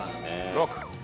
６。